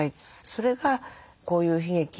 それがこういう悲劇をなくす。